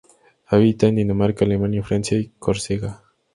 Habita en Dinamarca, Alemania, Francia y Córcega.